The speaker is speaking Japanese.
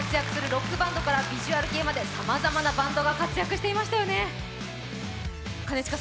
ロックバンドからビジュアル系までさまざまなバンドが活躍していましたよね。